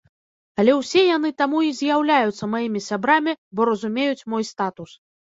Але ўсе яны таму і з'яўляюцца маімі сябрамі, бо разумеюць мой статус.